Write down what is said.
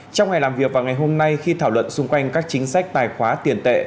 trong ngày làm việc vào ngày hôm nay khi thảo luận xung quanh các chính sách tài khoá tiền tệ